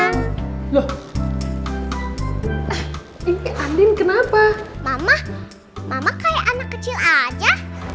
ini angin kenapa mama mama kayak anak kecil aja